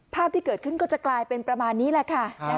ภาพที่เกิดขึ้นก็จะกลายเป็นประมาณนี้แหละค่ะ